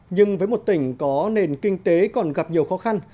nhưng với một tỉnh có nền kinh tế còn gặp nhiều khó khăn